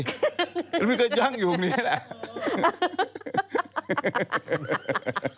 ก็ไม่เคยยั่งด์อยู่วันนี้แหละ